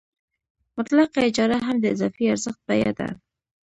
مطلقه اجاره هم د اضافي ارزښت بیه ده